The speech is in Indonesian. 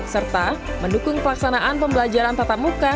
serta mendukung pelaksanaan pembelajaran tatap muka